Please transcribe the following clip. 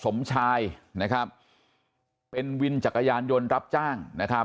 สมชายเป็นวิญจักรยานยนตรับจ้าง